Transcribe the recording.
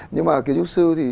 nhưng mà kiến trúc sư thì